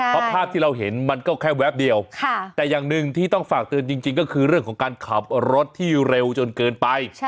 เพราะภาพที่เราเห็นมันก็แค่แป๊บเดียวแต่อย่างหนึ่งที่ต้องฝากเตือนจริงก็คือเรื่องของการขับรถที่เร็วจนเกินไป